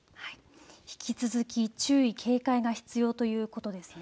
引き続き注意、警戒が必要ということですね。